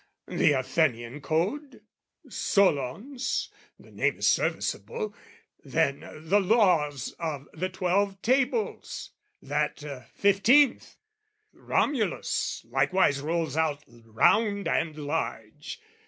The Athenian Code, Solon's, the name is serviceable, then, The Laws of the Twelve Tables, that fifteenth, "Romulus" likewise rolls out round and large.